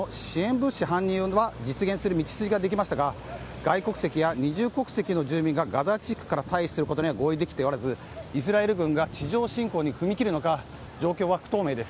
物資搬入は実現する道筋ができましたが外国籍や二重国籍の住民がガザ地区から退避することには合意できておらずイスラエル軍が地上侵攻に踏み切るのか